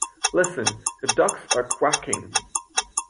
Listen! The ducks are quacking!